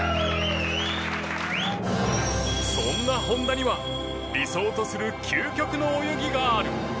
そんな本多には理想とする究極の泳ぎがある。